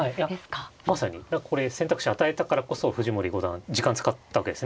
はいまさにこれ選択肢与えたからこそ藤森五段時間使ったわけですね。